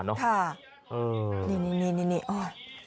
นี่โอ้